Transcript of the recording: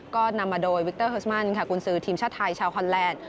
ก็นำมาโดยวิกเตอร์เฮิสมันค่ะกุญสือทีมชาติไทยชาวฮอนแลนด์